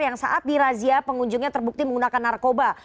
yang saat dirazia pengunjungnya terbukti menggunakan narkoba